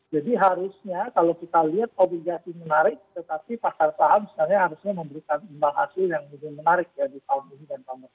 jadi harusnya kalau kita lihat obligasi menarik tetapi pasar paham sebenarnya harusnya memberikan imbal hasil yang menarik